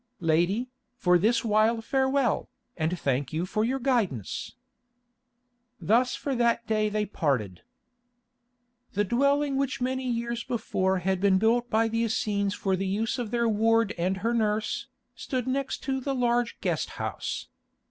"Lady, for this while farewell, and thank you for your guidance." Thus for that day they parted. The dwelling which many years before had been built by the Essenes for the use of their ward and her nurse, stood next to the large guest house.